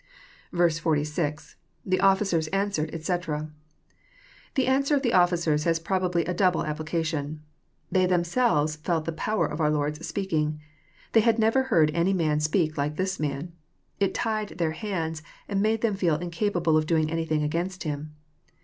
46. — [77i« offlcerB answered, etc.'] The answer of the officers has probably a double application. They themselves felt the power of our Lord's speaking. They had never heard any man speak like this man. It tied their hands, and made them feel incapa ble of doing anything against Him.